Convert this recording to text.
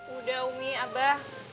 udah umi abah